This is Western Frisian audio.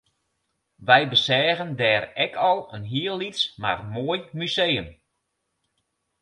Wy beseagen dêr ek in hiel lyts mar moai museum